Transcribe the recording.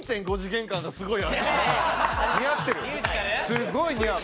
すごい似合う。